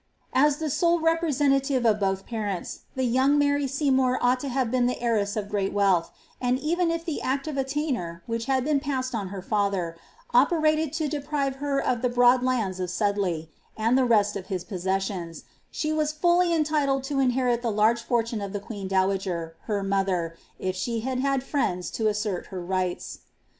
As the sole representative of both parents, the young Mary Seymour ought to have been the heiress of wealth ; and even if the act of attainder, which had been passed her nther, operated to deprive her of the broad lands of Sudley, and the rest of his possessions, she was fully entitled to inherit the large fortune of the queen dowager, her mother, if she had had friends to assert her rights.